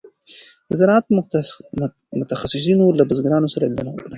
د زراعت متخصصینو له بزګرانو سره لیدنه وکړه.